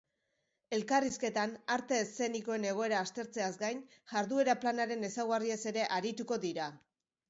Elkarrizketan, arte eszenikoen egoera aztertzeaz gain, jarduera-planaren ezaugarriez ere arituko dira.